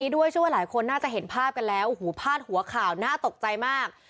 ด้วยชื่อว่าหลายคนน่าจะเห็นภาพกันแล้วโอ้โหพาดหัวข่าวน่าตกใจมาก